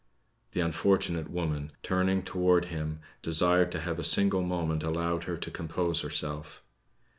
The unfortunate woman, turning toward him, desired to have a single moment allowed her to compose herself.